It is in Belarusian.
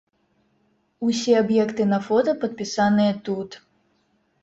Усе аб'екты на фота падпісаныя тут.